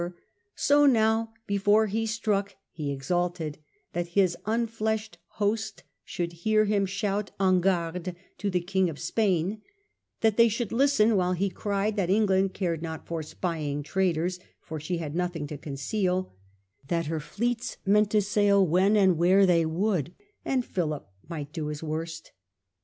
VIII SEIZES STORES A T VIGO loi SO now before he struck he exulted that his unfleshed host should hear him shout en garde I to the King of Spain ; that they should listen while he cried that Eng land cared not for spying traitors, for she had nothing to conceal, that her fleets meant to sail when and where they would, and Philip might do his worst.